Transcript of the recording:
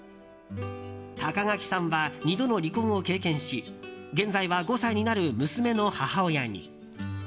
高垣さんは２度の離婚を経験し現在は５歳になる娘の母親に。